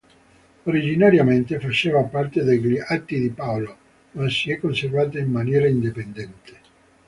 Originariamente faceva parte degli "Atti di Paolo", ma si è conservata in maniera indipendente.